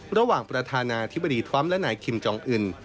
ระหว่างประธานาธิบดีทวมและนายคิมจองอื่น